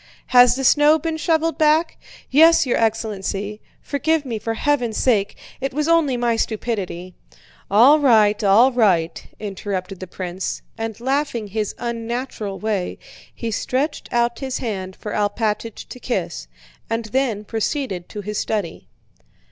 "Has the snow been shoveled back?" "Yes, your excellency. Forgive me for heaven's sake... It was only my stupidity." "All right, all right," interrupted the prince, and laughing his unnatural way, he stretched out his hand for Alpátych to kiss, and then proceeded to his study.